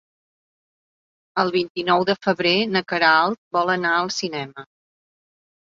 El vint-i-nou de febrer na Queralt vol anar al cinema.